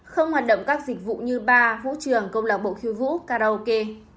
không hoạt động các dịch vụ như bar vũ trường công lạc bộ khiêu vũ karaoke